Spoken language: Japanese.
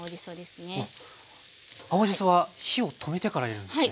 青じそは火を止めてから入れるんですね。